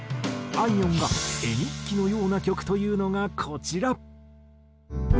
あいみょんが絵日記のような曲と言うのがこちら。